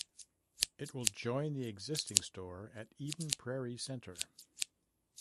It will join the existing store at Eden Prairie Center.